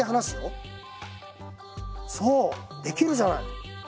そうできるじゃない！